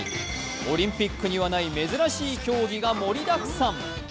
オリンピックにはない珍しい競技が盛りだくさん。